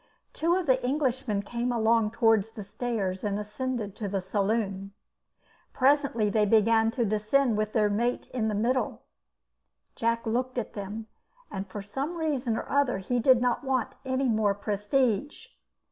Two of the Englishmen came along towards the stairs and ascended to the saloon. Presently they began to descend with their mate in the middle. Jack looked at them, and for some reason or other he did not want any more prestige.